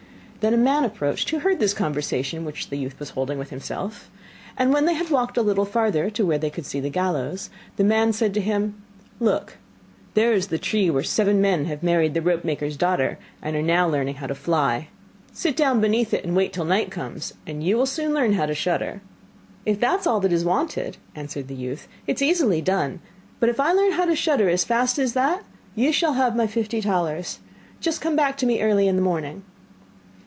Then a man approached who heard this conversation which the youth was holding with himself, and when they had walked a little farther to where they could see the gallows, the man said to him: 'Look, there is the tree where seven men have married the ropemaker's daughter, and are now learning how to fly. Sit down beneath it, and wait till night comes, and you will soon learn how to shudder.' 'If that is all that is wanted,' answered the youth, 'it is easily done; but if I learn how to shudder as fast as that, you shall have my fifty talers. Just come back to me early in the morning.